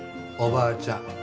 おばあちゃん